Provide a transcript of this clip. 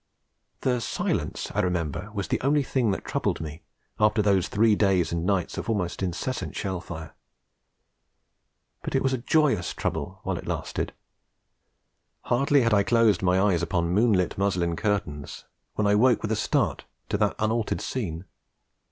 The silence, I remember, was the only thing that troubled me, after those three days and nights of almost incessant shell fire. But it was a joyous trouble while it lasted. Hardly had I closed my eyes upon the moonlit muslin curtains, when I woke with a start to that unaltered scene.